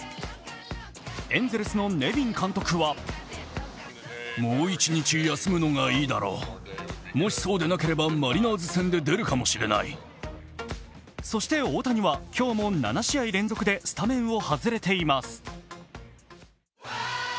エンゼルスのネビン監督はそして、大谷は今日も７試合連続でスタメンを外れています。